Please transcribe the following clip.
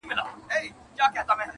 o پلار ډېر کمزوری سوی دی اوس,